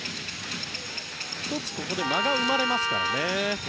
１つ、そこで間が生まれますからね。